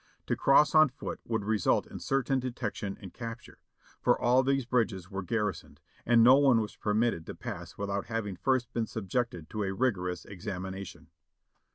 To cross on foot would result in certain detection and capture ; for all these bridges were gar risoned, and no one was permitted to pass without having first been subjected to a rigorous examination.